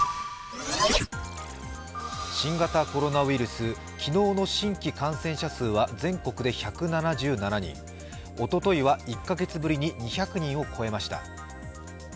新型コロナウイルス、昨日の新規感染者数は全国で１７７人おとといは１カ月ぶりに２００人を超えました。